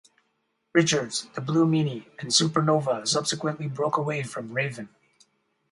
Richards, The Blue Meanie and Super Nova subsequently broke away from Raven.